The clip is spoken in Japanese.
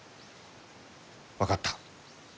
分かった。